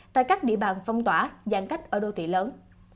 tại các địa bàn phong tỏa giãn cách ở đô thị lớn